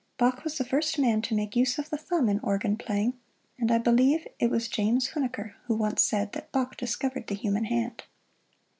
Bach was the first man to make use of the thumb in organ playing, and I believe it was James Huneker who once said that "Bach discovered the human hand."